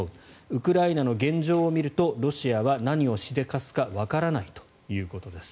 ウクライナの現状を見るとロシアは何をしでかすかわからないということです。